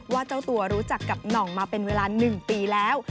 เจ้าตัวรู้จักกับหน่องมาเป็นเวลา๑ปีแล้ว